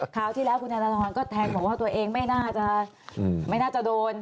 คราวที่แล้วคุณนานทรก็แทงบอกว่าตัวเองไม่น่าจะโดน